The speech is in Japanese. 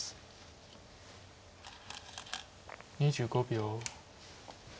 ２５秒。